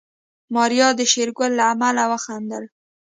ماريا د شېرګل له عمل وخندل.